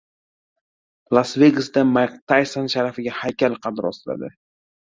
Las-Vegasda Mayk Tayson sharafiga haykal qad rostladi